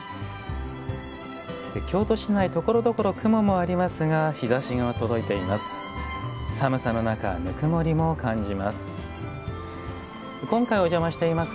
京都市内ところどころ雲もありますが日ざしが届いています。